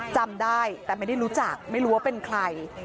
จำได้แต่ไม่ได้รู้จักไม่รู้ว่าเป็นใคร